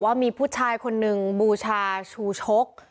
ว่ามีผู้ชายคนนึงบูชาชูชก